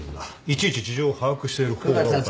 いちいち事情を把握している方がおかしい。